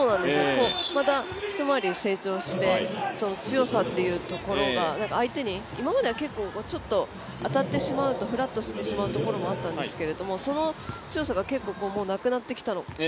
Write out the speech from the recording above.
また一回り成長して強さというところが相手に、今までは結構ちょっと当たってしまうとふらっとしてしまうところもあったんですけどその強さが結構、なくなってきた。